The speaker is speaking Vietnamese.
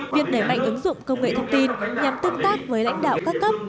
việc đẩy mạnh ứng dụng công nghệ thông tin nhằm tương tác với lãnh đạo các cấp